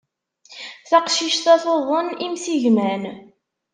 Taqcict-a tuḍen imsigman.